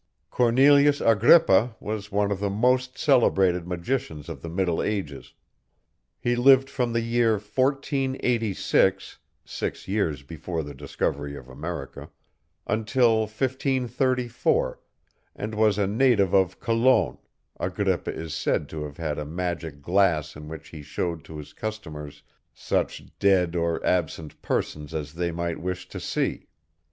Cornelius Agrippa was one of the most celebrated magicians of the middle ages. He lived from the year 1486 (six years before the discovery of America) until 1534, and was a native of Cologne, Agrippa is said to have had a magic glass in which he showed to his customers such dead or absent persons as they might wish to see.